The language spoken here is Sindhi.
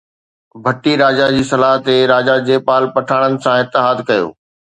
ڀٽي راجا جي صلاح تي راجا جيپال پٺاڻن سان اتحاد ڪيو